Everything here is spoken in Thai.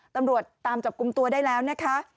ตำรวจตามจับกลุ่มตัวได้แล้วนะคะ